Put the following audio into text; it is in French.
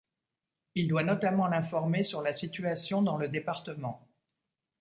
Il doit notamment l'informer sur la situation dans le département.